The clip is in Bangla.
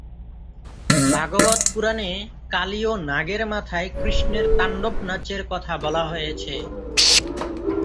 ভাগবত পুরাণে কালীয় নাগের মাথায় কৃষ্ণের তাণ্ডব নাচের কথা বলা হয়েছে।